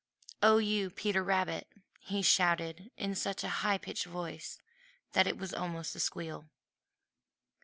"Oh, you Peter Rabbit!" he shouted in such a high pitched voice that it was almost a squeal.